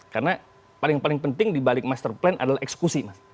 karena paling paling penting dibalik master plan adalah eksekusi